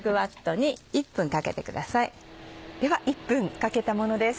では１分かけたものです。